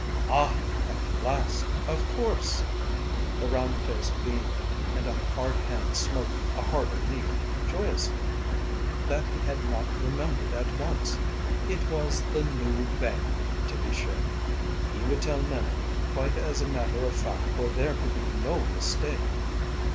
"Ah at last of course!" The round face beamed and a hard hand smote a harder knee, joyously. That he had not remembered at once! It was the new banker, to be sure. He would tell Minna, quite as a matter of fact, for there could be no mistake.